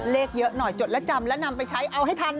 เยอะหน่อยจดแล้วจำและนำไปใช้เอาให้ทัน